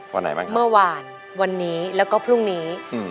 วันไหนบ้างเมื่อวานวันนี้แล้วก็พรุ่งนี้อืม